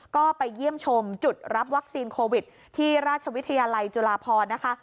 ก็ไปเยี่ยมชมจุดรับวัคซีนโควิดที่ราชวิทยาลัยจุฬาพรนะคะ